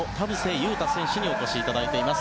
勇太選手にお越しいただいております。